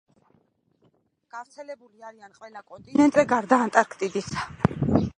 გავრცელებული არიან ყველა კონტინენტზე, გარდა ანტარქტიდისა.